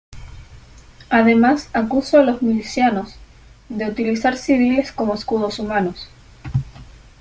Además acusó a los milicianos de utilizar civiles como escudos humanos.